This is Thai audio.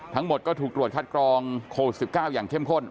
ทั้งหมดก็ถูกตรวจคัดกรองโควิด๑๙อย่างเข้มข้น